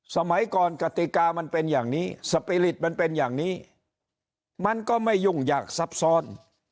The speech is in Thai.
สมัยก่อนกติกามันเป็นอย่างนี้สปีริตมันเป็นอย่างนี้มันก็ไม่ยุ่งยากซับซ้อน